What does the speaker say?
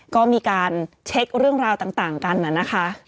ก็มีการเช็คเรื่องราวต่างกันนะคะ